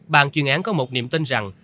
bạn chuyên án có một niệm tin rằng